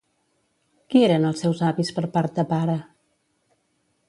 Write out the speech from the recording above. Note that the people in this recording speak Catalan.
Qui eren els seus avis per part de pare?